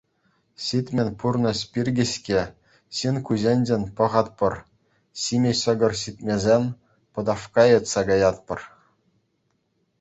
Ҫитмен пурнӑҫ пирки-ҫке ҫын куҫӗнчен пӑхатпӑр, ҫиме ҫӑкӑр ҫитмесен, пӑтавкка йӑтса каятпӑр.